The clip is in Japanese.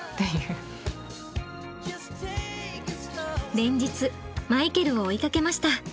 連日マイケルを追いかけました。